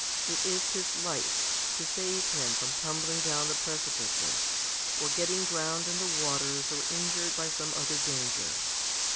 It is his light, to save him from tumbling down the precipices, or getting drowned in the waters, or injured by some other danger.